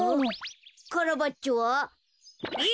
カラバッチョは？え！